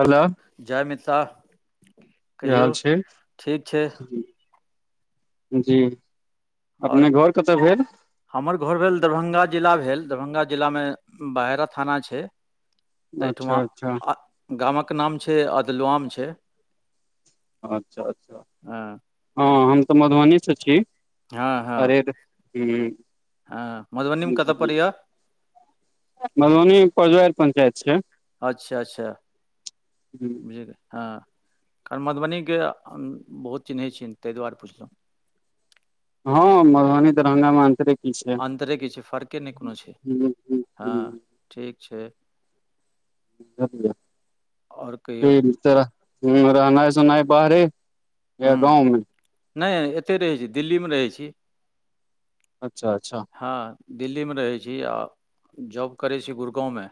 Hello जय मिथिला। कि कहियौ हाल छैय। ठीक छै जी आओर अपने घर कतऽ भेल हमर घोर भेल दरभंगा जिला भेल दरभंगा जिलामे बहरा थाना छैय ताहिठमा अच्छा अच्छा गामक नाम छैय अदलम छैय। अच्छा अच्छा हाँ हम तऽ मधुबनी से छी हँ हँ अरे हुँ हँ मधुबनीमे कतऽ बुझलिए पड़ैय मधुबनी पजवर पंचायत छैय। अच्छा अच्छा बुझ हाँ क मधुबनीके बहुत चिन्हैत छिय तैहि दुआरे पुछलहुँ हाँ मधुबनी दरभङंगा मे आंतरिक अन्तरे के छैय फर्के नहि कोनो छैय हूँ, हूँ, हाँ ठीक छैय। बुजालिये कहियौ त रहनाइ सुनाइ बाहरे या हूँ गाँवमे नहि एते रहै छी दिल्ली मे रहै छीय। अच्छा अच्छा। हाँ दिल्ली मे रहै छीय आओ जॉब करै छीय गुरगाँव मे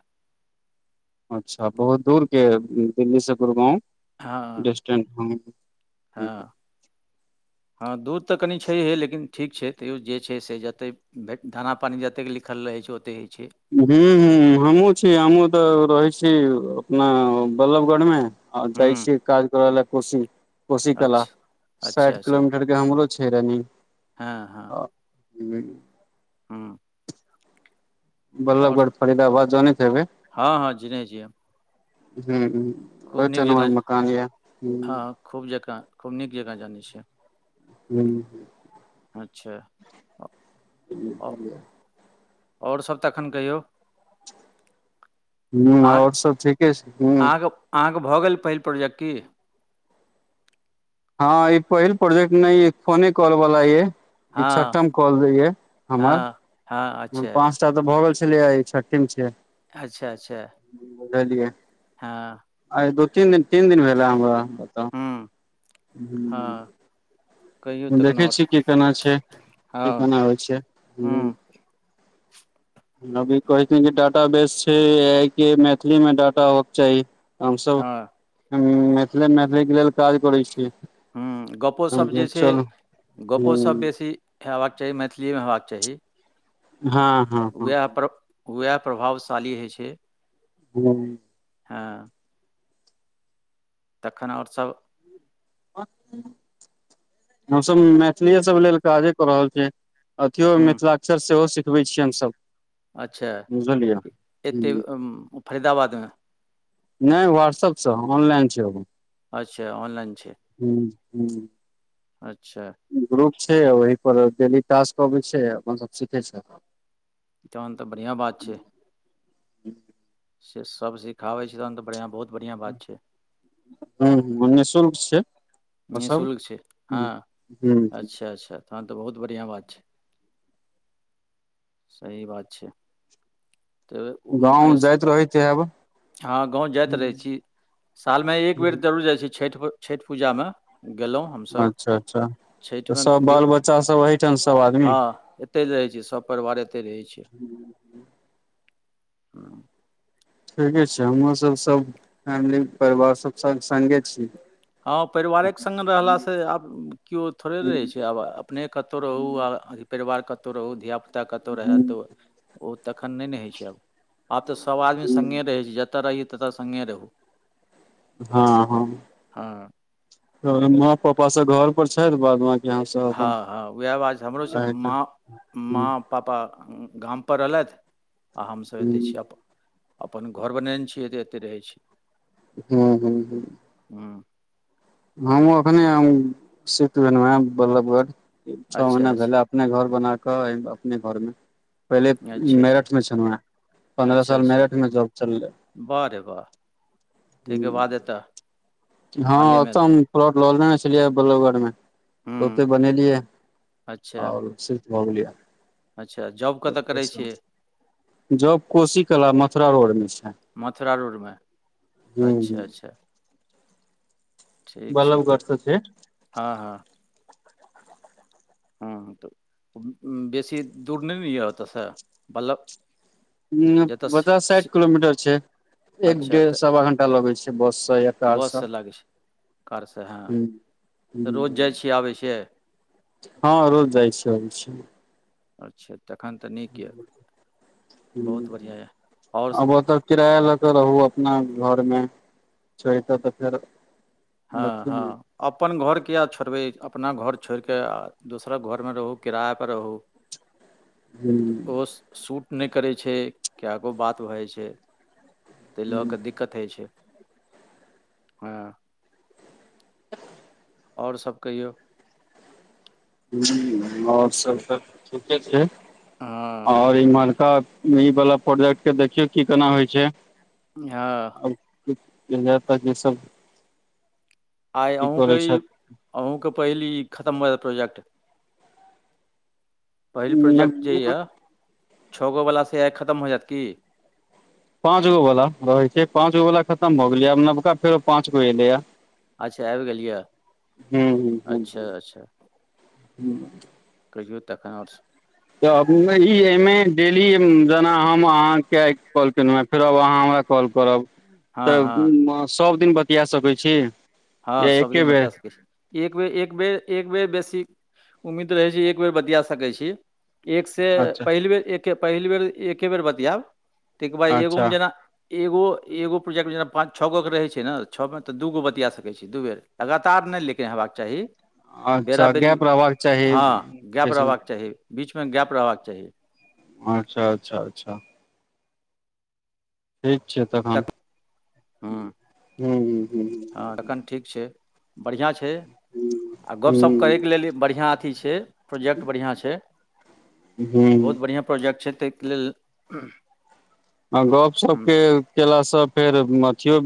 अच्छा बहुत दूरके दिल्ली सँ गुड़गाँवस्टं हाँ हाँ दूर तऽ कनि छैहे लेकिन ठीक छैय तैयो जे छैय से जतेक भे दाना पानि जतेक लिखल रहै छैय ओतेक होइ छैय। हुँ हुँ हमहुँ छीय हमहूँ तऽ रहै छीय अपना बल्लभगढ़मे आओ जाइ हुँ छिय काज करला कोशी कोशी कला अच्छा अच्छा साठि किलोमीटर हमरो छैय रनीग हाँ हाँ। अ हुँ हुँ आओर बल्लभगढ़ फरीदाबाद जनेत हेबे हँ हँ चिन्है छियै हम हुँ हुँ खूब नीक उठाम हमर जकाँ मकान यै, हुँ हँ खूब जकाँ खूब नीक जकाँ जानै छियेन हुँ अच्छा अ ियै [inaudible] ओर सब तखन कहियौ हुँ अहाँके ओर सब ठीके छथिन अहाँके अहाँके भऽ गेल पहिल प्रोजेक्ट की हाँ ई पहिल प्रोजेक्ट न फोने कॉल वला ये इ हँ छठम कॉल ये हमर हँ हँ अच्छा पाँच टा तऽ भऽ गेल छलियै छ्ठीम छियै अच्छा अच्छा बुझलियै हँ आइ दू तीन दिन तीन दिन भेलहें हमरा एत हुँ हँ कहियौ तखन देखै आओर छियै की केना छैय की हँ केना होय छैय हुँ अभी कहै छथिन कि डाटा बेस छै येकि मैथिलीमे डाटा होयक चाही हमस हँ सब मिथले मैथिली लेल काज करै छीयै हूँ गपोसप जे छैय गपोस बेसी हयबाक चाही मैथिलिए में हयबाक चाही हाँ वैह प्रभ वैह प्रभावशाली होय छैय हूँ हँ तखन ओर सब हमसब मैथिलीये सब लेल काजे कऽ रहल छियै अथियो हुँ मिथिलाक्षर सेहो सिखबै छियै हमसब अच्छा एतय फरीदाबाद में नय व्हाट्स अपसँ ऑनलाइन छैय ओ अच्छा ऑनलाइन छैय हु हु अच्छा ग्रुप छैय ओहि पर डेली टास्क अबै छैय अपन सब सीखै छियै तहन तऽ बढ़िआँ बात छैय से सब सिखाबै छैय तहन तऽ बढ़ियाँ बहुत बढ़ियाँ बात छैय हू हू निशुल्क छै ओ सब निशुल्क छैय हूँ हँ अच्छा अच्छा हँ तऽ बहुत बढ़ियाँ बात छैय सही बात छै तऽ उम, गाँव एस- जाइत रहैत है हँ गाँव जाइत रहै छी साल में एक बेर जरूर जाय छी छैठ छैठ पूजा में गेलो हम अच्छा अच्छा तऽ सब बाल बच्चा सब अहिठाम सब आदमी एत्तै रहय छैय सब परिवार एत्तै रहय छैय [inaudible] [inaudible] ठीके छैय हमहुँ सब सब फैमिली परिवार सब साथ संगे छी हँ परिवारक संग रहला स आब कियो थोड़े रहै छैय आब अपने कतु रहू आ अथी परिवार कतु रहू धियापुता कतौ रहे तो ओ तखन नै न होय छैय आब आब तऽ सभ आदमी संगे रहै छैय जत रहियै तत संगे रहू हऽ हऽ हऽ तऽ माँ पापा सब घर पर छैथ बाद बां हँ हँ वैह बात हमरो छैय माँ हूँ माँ पापा गाम पर रहलैथ आ हम सब एतै छी हूँ अब अपन घर बनेने छि एते एतै रहै छी [unintelligible] [unintelligible] हमहूँ अखने हमहूँ शिफ्ट भेलु है बल्लभगढ़ छह अच्छा महीना अच्छा भेला अपने घर बना कऽ अपने घर में पहिले अच्छा अच्छा मेरठ में छलुँ है पन्द्रह अच्छा साल अच्छा मेरठ में जॉब चललै वाह रे वाह ताहिके बाद [unintelligible] एतऽ हँ हालेमे ओतऽ हम प्लॉट लऽ लेने छलियै बल्लभगढ़ में हूँ ओतै बनेलियै [inaudible] और शिफ्ट भऽ गेलियै अच्छ जॉब कतऽ करै ओतसँ छियै जॉब कोशी कला मथुरा रोड में छै। मथुरा रोड मे हूँ अच्छ हूँ अच्छ ठीक छैय तऽ बल्लभगढ़ सँ छै [inaudible] हऽ हऽ हूँ तऽ बेसी दूर नै न यऽ ओतऽ स बल्लब हु पचास साइठ किलोमीटर छै। एक अच्छा डेढ़ तऽ सवा घंटा लगे छै बस स या कार स कर स हैं। [inaudible] हऽ रोज जाइ छियै आबै छियै अच्छा तखन तऽ नीक यऽ [inaudible] बहुत हूँ बढ़िआँ यऽ ओर, आब ओतऽ किराया लऽ कऽ रहू अपना घर में छै तै तऽ फेर हऽ अथी हऽ अपन घर किएक छोड़बै अपना घर छोड़ कऽ आ दोसर घर में राहु किराया पर रहू। [unintelligible] हूँ तऽ ओ सूट नै करै छै कै गो बात भऽ जाइ छै। तऽ लऽ कऽ दिक्कत होइ छै [inaudible] हऽ [unintelligible] और सब कहियौ। जी और सब तऽ ठीके छै [inaudible] हँ और इम्हर तऽ ई वला प्रोजेक्ट कऽ देखियौ की केना होइ छै। हँ [unintelligible] आइ की अहूँकेँ करै ई अहूँकेँ पहिल ई खतम भऽ जैत ई प्रोजेक्ट पहिल छथि प्रोजेक्ट जे यऽ छ गो वला से आइ खतम हो जैत की। पांच गो वाला रहै छै पांच गो वाल खतम भऽ गेलिया आब नबका फेर पंच गो एले या अच्छा आइब गेल यऽ हूँ [inaudible] हूँ अच्छा हूँ। अच्छा [unintelligible] कहियौ तखन आओर सब तऽ ई एहिमे डेली जेना हम अहाँके कॉल केलहुँ हँ फेरब अहाँ हमरा कॉल करब हँ हँ तऽ सभ दिन बतिया सकैत छी। हँ एके सबदिन बेर बतिया सके छी। एक बेर एक बेर एक बेेर बेसी उम्मीद रहै छै एक बेर बतिया सकै छी। एकसँ अच्छा पहिल बेर एके पहिल बेर एके बेर बतियाब ताहिके बाद एगोमे अच्छा जेना एगो एगो प्रोजेक्ट मे जे पंच छओ गो के रहे छै ने छ में ते दूगो बतिया सक दू बेर लगातार नहि लेकिन हेबाक चाही। अच्छा बेराबरी गैप रहबाक चाही हँ गैप जैसे रहबाक चाही बीचमे गैप रहबाक चाही। अच्छा अच्छा अच्छा ठीक छै तखन तक हँ हुँ हुँ हँ हुँ तखन ठीक छै बढ़िआँ छै आओर गपशप हूँ करैके लेल बढ़िआँ अथी छै प्रोजेक्ट बढ़िआँ छै हूँ बहुत हूँ बढ़िआँ प्रोजेक्ट छै ताहिके लेल ह गपशपके केलासँ फेर अथियो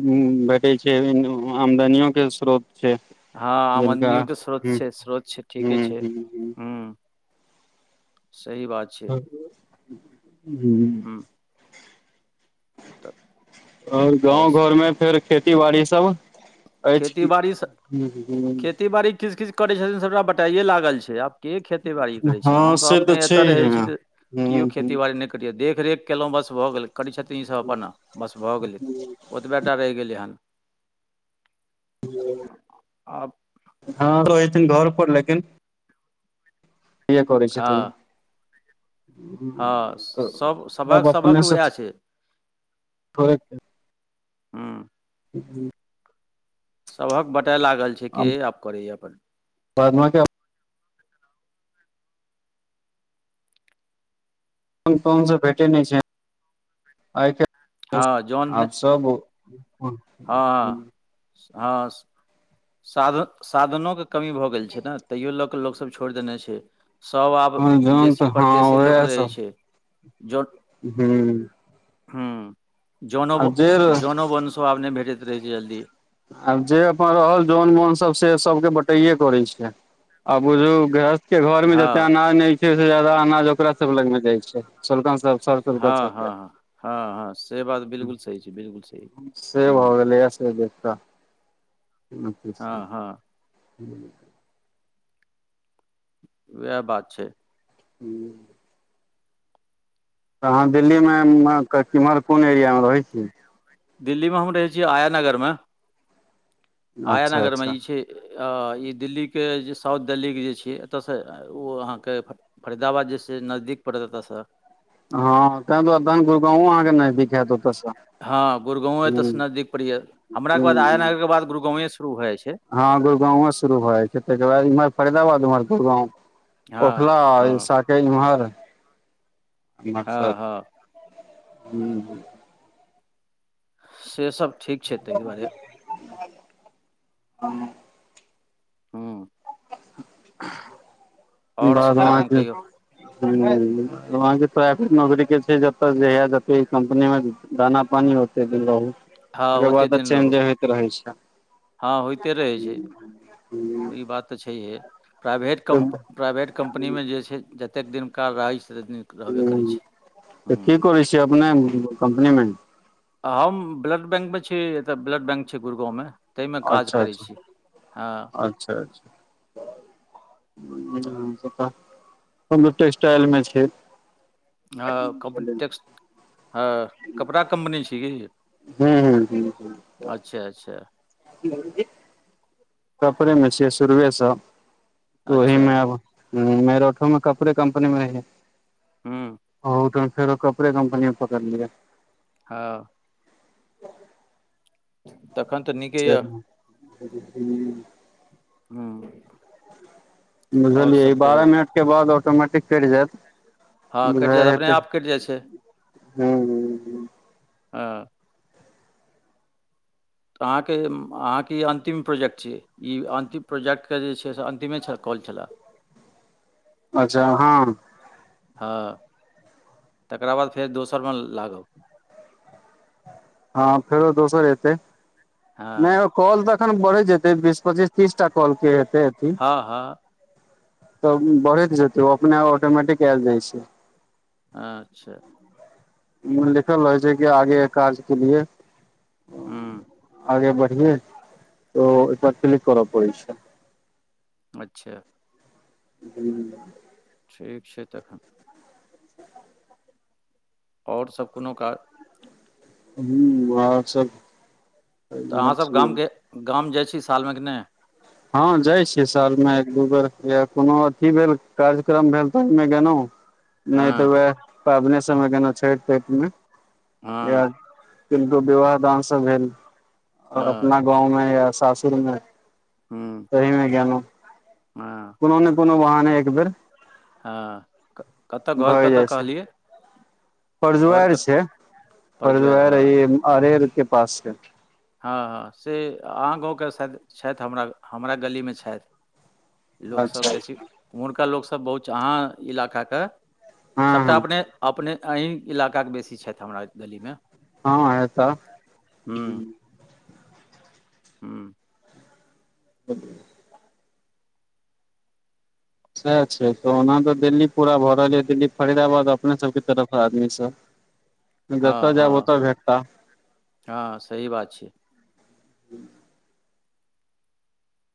भेटैत छै आमदनियोके स्रोत। से हँ आमदनियओ के स्रोत छै स्रोत छै ठीके हूँ छै हूँ ह। सही बात [unintelligible] हूँ तऽ आओर गाँंव घर मे फेर खेती बाड़ी सब अछि की तै बारी कीच कीच करै छथिन सबटा बटाइये लागल छै आब के खेती बाड़ी करे छै हँ हमसब से तऽ अपने एतऽ रहे छैहे छी हूँ तऽ कियो हूँ खेती बाड़ी ने देखरेख केलहुँ बस भऽ गेलै छथीन इ सब अपन बस भऽ गेलै ओतबटा रहि गेलै हन। आब हँ तऽ रेहोथिन घर पर लेकिन। करै छथिन हँ हँ सभ सभक अब सभक अपनेसँ, उएह छै [unintelligible] हूँ [unintelligible] सभक बताय लागल छै के आब करैए अपन। बाद बाकी जन तन सब भेटे नहि छै आइ हँ जौन नहि- [unintelligible] हँ [unintelligible] हँ साध साधनोके कमी भऽ गेल छै ने तैयो लोक के लोकसभ छोड़ि देने छै। सभ आब जन बेसी तऽ हँ परदेेशे लोक रहै छै जौ हूँ। हूँ जऽनो जे आब जऽनो बनसब आब नहि भेटैत रहै छै जल्दी। आब जे अपन रहल जन बन सब से सबके बटाइे करैत छै आ बुझू गृहस्थ के घर में हँ जते अनाज नहि छै ओइसे जादा अनाज ओकरा सब लग मे जाय छै सोलकन सब हँ सोलकन सब हँ हँ हँ हँ से बात बिलकुल सही छै बिलकुल सही। से हूँ भऽ गेलैया से देख। हँ हँ [unintelligible] वएह बात छै। हूँ। [unintelligible] त अहाँ दिल्लीमे म केम्हर कोन एरियामे रहै छीयै दिल्लीमे हम रहै छीयै आया नगरमे। आया अच्छा नगरमे अच्छा इ छै। अ ई दिल्लीके जे साउथ देल्लीके जे छियै एतऽसँ ओ अहाँके फ। फरीदाबाद जे से नजदीक पड़त एतऽ सऽ। हँ तेँ दुआरे तहन गुरु गाँव अहाँ के नजदीक। हैत ओतयसँ हँ गुरुगाँंव एतऽ सऽ ह नजदीक परै या हमरा के बाद आया ह नगर के बाद गुगाँंवे स शुरू भऽ जाइ छै। हँ गुरूगाँंवो शुरू भऽ जाइ छै तकर बाद इमहर फरीदाबाद उमहर गुरूगाँव। ओखला हँ आ हँ शा कै इमहर। हूँ हँ हँ हूँ से सब ठीक छै तहि दुआरे। ह। [unintelligible] हूँ। आओर बाद सब हम आहाँ तखन के कहियौ हूँ तऽ अहाँके प्राइवेट नौकरी के छै जतऽ जहिया जते के कम्पनी मे दाना पानी हो दिन रहु हँ तकर ओते बाद तऽ दिन रहू चेंजे होइत रहै छै। हँ होइते रहै छै ई बात तऽ छैहे। प्राइवेट तऽ कम प्राइवेट कम्पनीमे जे छै जतेक दिन का राशि तनि हूँ तऽ की करै छियै अपने कम्पनी मे। हम ब्लड बैंक मे छी एतय ब्लड बैंक छै गुरगाँवमे। अच्छा अच्छा अच्छा अच्छा। हूँ आहाँ सब त स्टाइल मे छीयै हँ कमनी ट् हँ कपड़ा कम्पनी छी यै कि ई हूँ -हूँ- हूँ अच्छा अच्छा कपड़े मे छियै शुरएसँ अच्छा ओहिमे आब मेरठो मे कपड़े कम्पनी मे रैहयै हूँ अहुठाम फेरो कप ओकरे कम्पनी पकड़ लियै हँ। तखन तऽ नीक। [unintelligible] हूँ आओर बुझलियै ई सब बारह कहियौ मिनट के बाद ऑटोमेटिक कटि जाएत। हँ कटि बुझाइया जायत अपने हेतै आप कटि जाइ छै हूँ हूँ हँ। तऽ अहाँके अहाँके ई अन्तिम प्रोजेक्ट छियै। ई अंतिम प्रोजेक्टके जे छै से अन्तिमे छै कॉल छलए। अच्छा हँ हँ तकरा बाद फेर दोसरमे लागब हँ फेरो दोसर एत्ते नाय हँ ओ कॉल तऽ एखन बढ़ैत जेतै बीस पच्चीस तीस टा कॉल के हेतै अथी हँ हँ तऽ बढ़ैत जेतै ओ अपने ऑटोमेटिक आयल जाइ छैय अच्छा लिखल रहै छैय कि आगे काज के लिए हँ आगे बढ़िये तो ओयपर क्लिक करऽ पड़ैत छै अच्छा हू ठीक छैय तखन आओर सभ कोनो काज हुं आर सब तऽ इमहर अहाँसभ छियै गामके गाम जाइ छी सालमे कि नहि हँ जाइ छीय सालमे एक दू बेर या कोनो अथी भेल कार्यक्रम भेल तऽ ओहिमे गेलहुँ [inaudible] नहि तऽ हँ वएह पाबने सबमे गेनो छठि पठमे वहा हँ किनको विवाह दान सब भेल हँ अपना गाँव में या सासुर मे हू तैयमे ज्ञानो हँ कोनो ने कोनो वहाने एक बेर हँ कतय घर कतय कहलियै घर फद्वर कत छैय परजोआरि फद्वर हँ ई अरेर के पास छैय हँ हँ से अहाँ गाँव के शायद छथि हमरा हमरा गलीमे छथि लोकसब अच्छा बेसी अच्छा उमहरका लोकसभ बहुत छै अहाँ इलाकाके हँ सभटा हँ अपने अपने अहिक इलाकाके बेसी छथि हमरा गली मे हँ हेत हुँ ह्मँ [unintelligible] सएह छैय तऽ ओना तऽ दिल्ली पूरा भऽ रहल य दिल्ली फरीदाबाद अपने सबके तरफ आदमी स [inaudible] हँ -हँ -हँ सही बात छैय